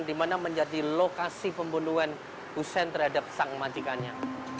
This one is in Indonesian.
di mana menjadi lokasi pembunuhan hussein terhadap sangkutnya